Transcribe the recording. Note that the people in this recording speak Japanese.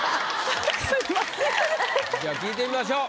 じゃあ聞いてみましょう。